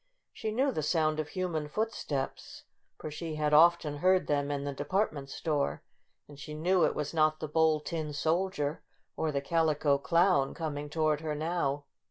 She knew the sound of human footsteps, foij she had often heard them in the depart ment store. And she knew it was not the Bold Tin Soldier or the Calico Clown coming toward her now.